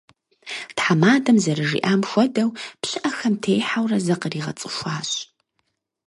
Тхьэмадэм зэрыжиӀам хуэдэу, пщыӀэхэм техьэурэ закъригъэцӀыхуащ.